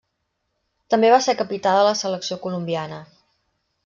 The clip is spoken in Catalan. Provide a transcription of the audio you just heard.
També va ser capità de la selecció colombiana.